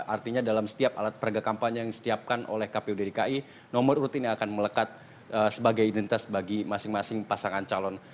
artinya dalam setiap alat peraga kampanye yang disiapkan oleh kpu dki nomor urut ini akan melekat sebagai identitas bagi masing masing pasangan calon